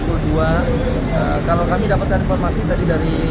kalau kami dapatkan informasi tadi dari